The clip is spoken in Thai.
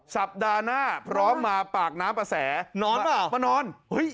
สัปดาห์หน้าพร้อมมาปากน้ำประแสนอนเปล่ามานอนเฮ้ย